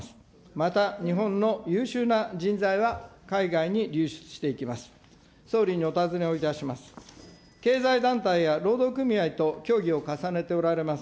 また、日本の優秀な人材は海外に流出していきます。